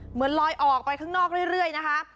เหมือนลอยออกไปข้างนอกเรื่อยนะคะ